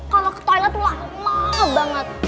kalo ke toilet tuh lama banget